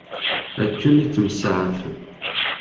Akken ittemsaɛafen.